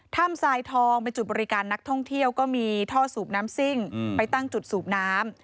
ทรายทองเป็นจุดบริการนักท่องเที่ยวก็มีท่อสูบน้ำซิ่งไปตั้งจุดสูบน้ำ